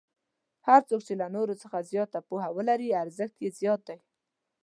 هر څوک چې له نورو څخه زیاته پوهه ولري ارزښت یې زیات دی.